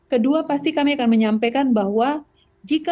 kedua pasti kami akan menyampaikan bahwa jika pelaku kekerasan masih berada di rumah